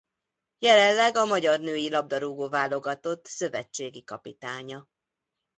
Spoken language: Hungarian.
Jelenleg a magyar női labdarúgó-válogatott szövetségi kapitánya.